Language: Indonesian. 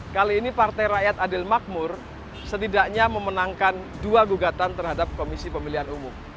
kali ini partai rakyat adil makmur setidaknya memenangkan dua gugatan terhadap komisi pemilihan umum